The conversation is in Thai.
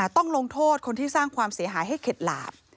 ต้องลงโทษคนที่สร้างความเสียหายให้เข็ดหลาบ